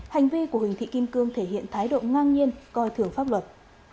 hành vi của huỳnh thị kim cương thể hiện thái độ ngang nhiên coi thường pháp luật